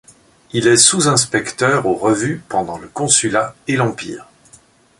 Il est sous-inspecteur aux revues pendant le Consulat et l'Empire.